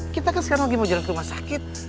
kita kan sekarang lagi mau jalan ke rumah sakit